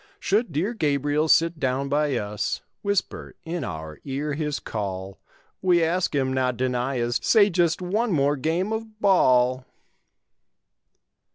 Should dear Gabriel sit down by us. Whisper in our ear his call. We ask him not deny us Say just one more game of ball.